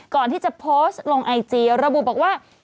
ก่อนที่จะโพสต์ลงไอจีระบุบอกว่า